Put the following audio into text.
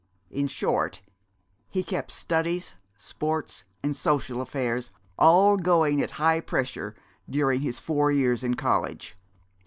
In short, he kept studies, sports and social affairs all going at high pressure during his four years of college.